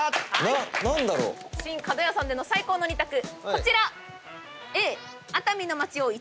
「新かどや」さんでの最高の２択こちら。